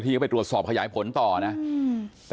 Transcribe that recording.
คือถามคำถามถูกต้องนะคะ